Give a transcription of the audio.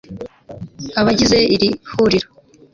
Abagize iri huriro